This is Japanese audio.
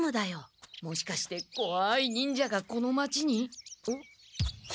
もしかしてこわい忍者がこの町に？